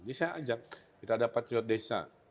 ini saya ajak kita ada patriot desa